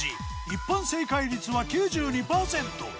一般正解率は９２パーセント。